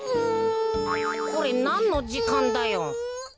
これなんのじかんだよ？